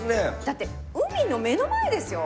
だって海の目の前ですよ。